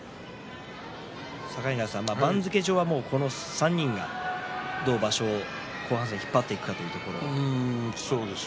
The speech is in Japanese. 境川さん、番付上はこの３人がどう場所を引っ張っていくかというところです。